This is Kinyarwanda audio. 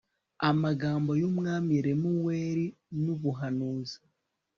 Amagambo y umwami Lemuweli n ubuhanuzi